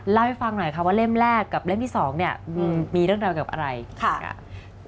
เล่าให้ฟังหน่อยค่ะว่าเล่มแรกกับเล่มที่สองเนี่ยมีเรื่องราวกับอะไรค่ะ